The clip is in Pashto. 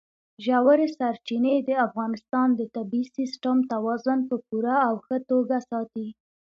ژورې سرچینې د افغانستان د طبعي سیسټم توازن په پوره او ښه توګه ساتي.